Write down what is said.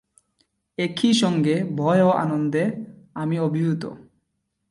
একই সঙ্গে ভয় এবং আনন্দে আমি অভিভূত।